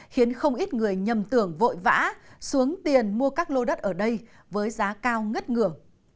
khiến không ít người nhầm tưởng vội vã xuống tiền mua các lô đất ở đây với giá cao ngất ngửa